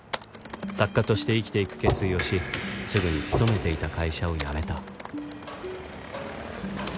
作家として生きていく決意をしすぐに勤めていた会社を辞めた